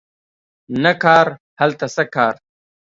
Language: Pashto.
نه کار هلته څه کار